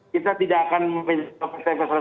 kita tidak akan meminta